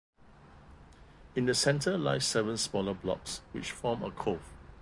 In the centre lie seven smaller blocks, which form a cove.